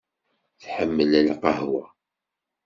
Tḥemmel lqahwa.